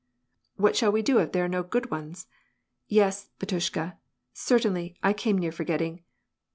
"What shall we do if there are no good ones? Yes, bat [ushka, certainly — I came near forgetting.